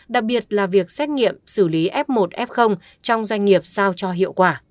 đặc biệt là việc xét nghiệm xử lý f một f trong doanh nghiệp sao cho hiệu quả